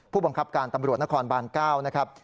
ผู้บังคับการตำรวจนครบาน๙นะครับ